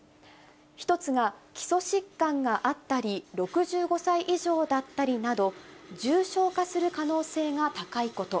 １つが基礎疾患があったり、６５歳以上だったりなど、重症化する可能性が高いこと。